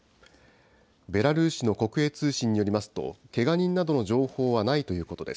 ベラルーシの国営通信によりますと、けが人などの情報はないということです。